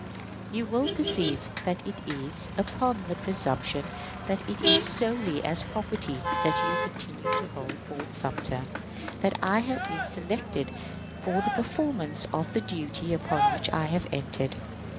You will perceive that it is upon the presumption that it is solely as property that you continue to hold Fort Sumter that I have been selected for the performance of the duty upon which I have entered.